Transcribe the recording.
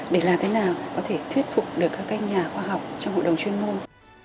để làm thế nào có thể thuyết phục được các nhà khoa học trong hội đồng chuyên môn